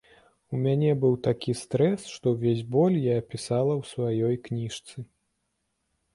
У мяне быў такі стрэс, што ўвесь боль я апісала ў сваёй кніжцы.